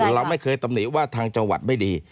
เราไม่เคยตำหนิว่าทางจังหวัดไม่ดี